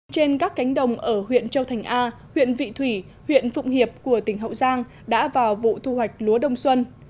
trên các cánh đồng ở huyện châu thành a huyện vị thủy huyện phụng hiệp của tỉnh hậu giang đã vào vụ thu hoạch lúa đông xuân